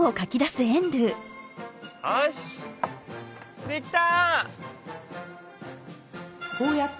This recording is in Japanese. よしできた！